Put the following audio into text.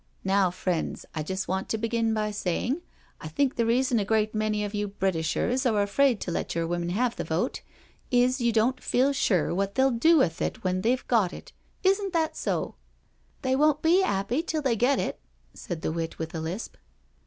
Now, friends, I just want to begin by saying. I think the reason a great many of you British ers are afraid to let your women have the vote is you don't feel sure what they'll do with it when they've got it— isn't that so?" " They won't be 'appy till they get it," said the wit with a lisp.